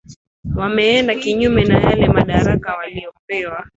wameenda kinyume na yale madaraka waliopewa